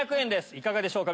いかがでしょうか？